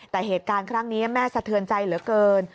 แต่เหตุการณ์ครั้งนี้แม่สะเทือนใจเหลือเกิน